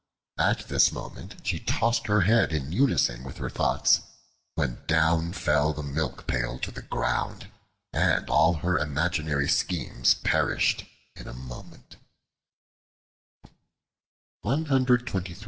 At this moment she tossed her head in unison with her thoughts, when down fell the milk pail to the ground, and all her imaginary schemes perished in a moment.